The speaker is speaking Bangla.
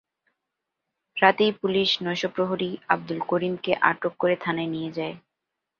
রাতেই পুলিশ নৈশ প্রহরী আবদুল করিমকে আটক করে থানায় নিয়ে যায়।